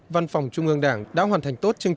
văn phòng trung ương đảng đã hoàn thành tổ chức công tác